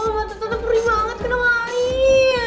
tata tata perih banget kena air